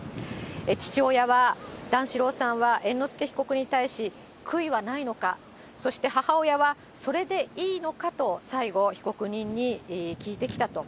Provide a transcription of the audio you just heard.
父親は、段四郎さんは猿之助被告に対し、悔いはないのか、そして母親は、それでいいのかと、最後、被告人に聞いてきたと。